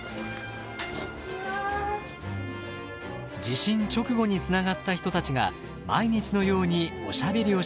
地震直後につながった人たちが毎日のようにおしゃべりをしにやって来ます。